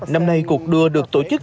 năm nay cuộc đua được tổ chức